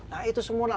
nah itu semuanya